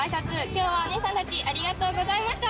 今日はお姉さんたちありがとうございました。